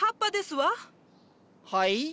はい？